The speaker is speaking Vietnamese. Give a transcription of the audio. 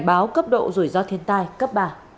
báo cấp độ rủi ro thiên tai cấp ba